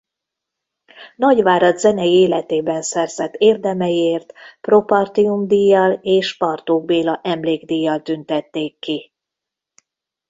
Nagyvárad zenei életében szerzett érdemeiért Pro Partium-díjjal és Bartók Béla Emlékdíjjal tüntették ki.